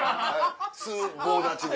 ス棒立ちで。